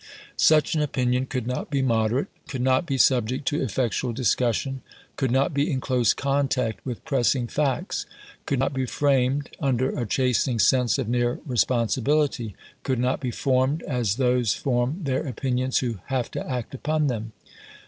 Such an opinion could not be moderate; could not be subject to effectual discussion; could not be in close contact with pressing facts; could not be framed under a chastening sense of near responsibility; could not be formed as those form their opinions who have to act upon them.